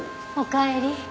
おかえり。